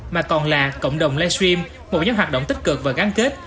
mà còn là cộng đồng live stream một nhóm hoạt động tích cực và gắn kết